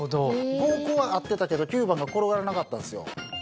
方向は合ってたけど９番が転がらなかったんですよ。